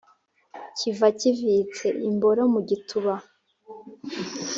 kiva kivitse: imboro mu gituba.